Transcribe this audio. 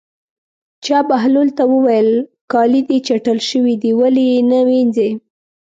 چا بهلول ته وویل: کالي دې چټل شوي دي ولې یې نه وینځې.